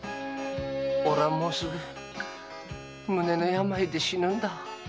俺はもうすぐ胸の病で死ぬんだ。